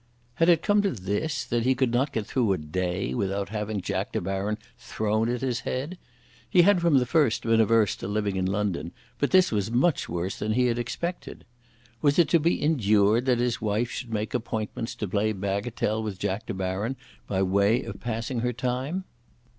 Had it come to this, that he could not get through a day without having Jack De Baron thrown at his head? He had from the first been averse to living in London; but this was much worse than he had expected. Was it to be endured that his wife should make appointments to play bagatelle with Jack De Baron by way of passing her time?